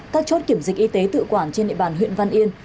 các chốt kiểm dịch y tế tự quản trên địa bàn huyện văn yên